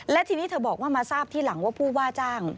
และทีนี้เธอบอกว่ามาทราบที่หลังว่าผู้ว่าจ้าง